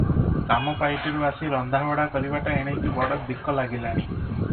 କାମପାଇଟିରୁ ଆସି ରନ୍ଧାବଢ଼ା କରିବାଟା ଏଣିକି ବଡ଼ ଦିକ ଲାଗିଲାଣି ।